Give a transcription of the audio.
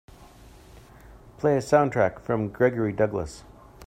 Play a sound track from Gregory Douglass.